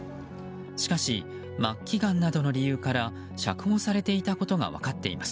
しかし、末期がんなどの理由から釈放されていたことが分かっています。